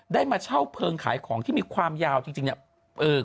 ได้มาเช่าเพลิงขายของที่มีความยาวจริงเนี่ย